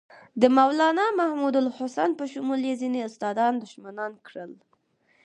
د مولنا محمودالحسن په شمول یې ځینې استادان دښمنان کړل.